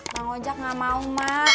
bang ojak gak mau mak